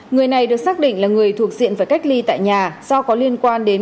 người này được xác định là người thuộc diện phải cách ly tại nhà do có liên quan đến